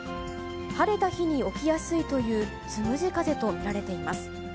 晴れた日に起きやすいというつむじ風と見られています。